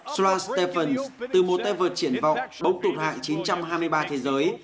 swan stephens từ một tay vợt triển vọng bỗng tụt hại chín trăm hai mươi ba thế giới